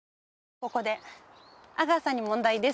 ここで阿川さんに問題です。